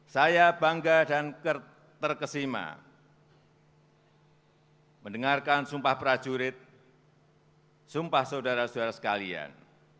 saya bangga dan terkesima mendengarkan sumpah prajurit sumpah saudara saudara sekalian